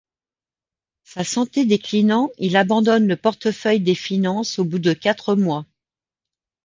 Sa santé déclinant, il abandonne le portefeuille des Finances au bout de quatre mois.